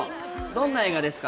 どんな映画ですか？